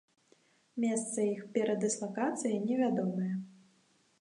Месца іх перадыслакацыі невядомае.